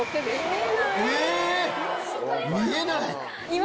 見えない！